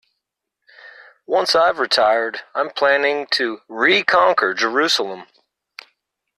Once I've retired, I'm planning to reconquer Jerusalem.